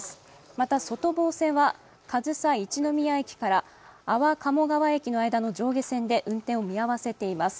また、外房線は上総一ノ宮駅から安房鴨川駅の間の上下線で運転を見合わせています。